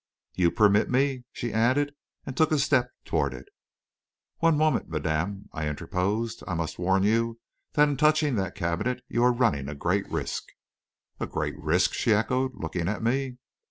You permit me?" she added, and took a step toward it. "One moment, madame," I interposed. "I must warn you that in touching that cabinet you are running a great risk." "A great risk?" she echoed, looking at me.